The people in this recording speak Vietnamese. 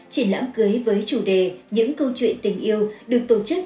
triển lãm cưới với chủ đề những câu chuyện tình yêu được tổ chức